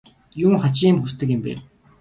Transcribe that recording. Юун хачин юм хүсдэг юм бэ?